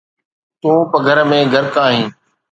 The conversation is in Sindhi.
تون پگهر ۾ غرق آهين